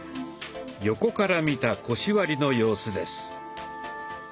横から見た腰割りの様子です。